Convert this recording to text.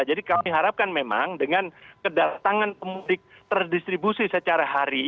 jadi kami harapkan memang dengan kedatangan mudik terdistribusi secara hari